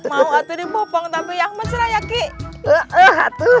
mau aku berbobong tapi aku tidak mau